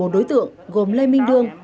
bốn đối tượng gồm lê minh đương